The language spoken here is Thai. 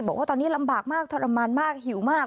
บอกว่าตอนนี้ลำบากมากทรมานมากหิวมาก